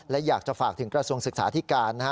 และอยากจะฝากถึงกระทรวงศึกษาที่การนะฮะ